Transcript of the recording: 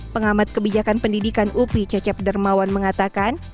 pengamat kebijakan pendidikan upi cecep dermawan mengatakan